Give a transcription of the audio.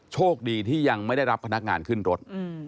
โชคดีที่ยังไม่ได้รับพนักงานขึ้นรถ